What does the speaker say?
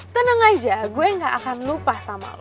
tenang aja gue gak akan lupa sama lo